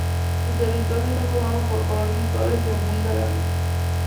Su territorio está formado por colinas suaves y abunda la vid.